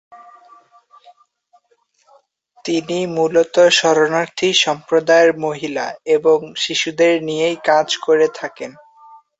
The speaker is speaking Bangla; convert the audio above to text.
তিনি মূলত শরণার্থী সম্প্রদায়ের মহিলা এবং শিশুদের নিয়েই কাজ করে থাকেন।